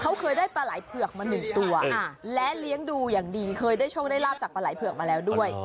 เขาเคยได้ปลาไหล่เผือกมาหนึ่งตัวและเลี้ยงดูอย่างดีเคยได้โชคได้ลาบจากปลาไหลเผือกมาแล้วด้วย